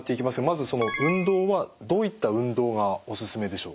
まず運動はどういった運動がおすすめでしょう？